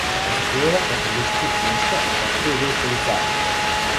Посетувала католичко училиште, а татко и бил полицаец.